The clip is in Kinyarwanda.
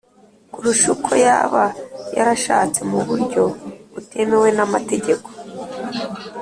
kurusha uko yaba yarashatse mu buryo butemewe n’amategeko.